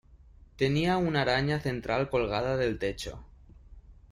Tenía una araña central colgada del techo.